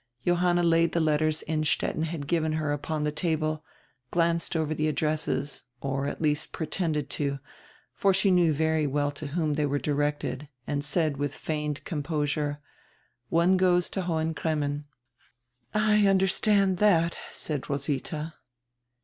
Johanna laid die letters Innstetten had given her upon die table, glanced over die addresses, or at least pretended to, for she knew very well to whom diey were directed, and said widi feigned composure: "One goes to Hohen Cremmen." "I understand that," said Roswidia.